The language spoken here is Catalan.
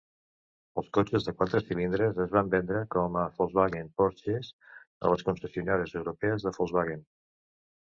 Els cotxes de quatre cilindres es van vendre com a Volkswagen-Porsches a les concessionàries europees de Volkswagen.